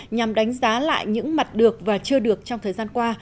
nhằm đánh giá lại những mặt được và chưa được trong thời gian qua